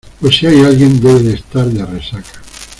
pues si hay alguien, debe de estar de resaca.